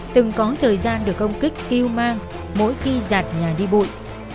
từng có thời gian được công kích tiêu mang mỗi khi giặt nhà đi bụi